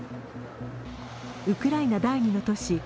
ウクライナ第２の都市